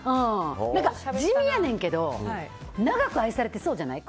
地味やねんけど長く愛されてそうじゃない？